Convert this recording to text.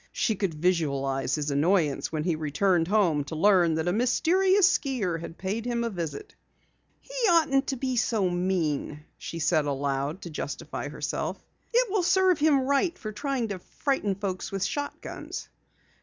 She could visualize his annoyance when he returned home to learn that a mysterious skier had paid him a visit. "He oughtn't to be so mean," she said aloud to justify herself. "It will serve him right for trying to frighten folks with shotguns!"